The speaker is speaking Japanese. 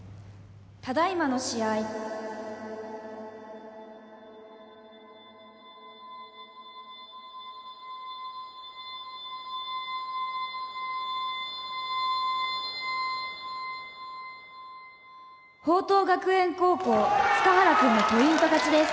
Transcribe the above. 「ただ今の試合」「朋桐学園高校束原くんのポイント勝ちです」